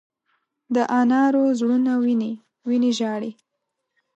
د انارو زړونه وینې، وینې ژاړې